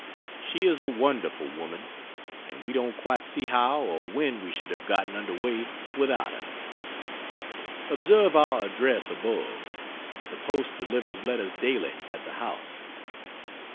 She is a wonderful woman, and we don't quite see how or when we should have gotten under way without her. Observe our address above the post delivers letters daily at the house.